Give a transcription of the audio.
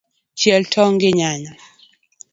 Chiel tong’ gi nyanya.